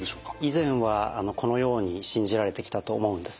以前はこのように信じられてきたと思うんですね。